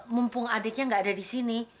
mumpung adiknya gak ada disini